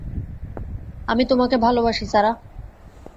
আমি তোমাকে ভালবাসি, সারাহ!